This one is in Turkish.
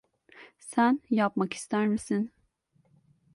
Sen yapmak ister misin?